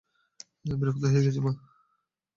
বিরক্ত হয়ে গেছি, মা!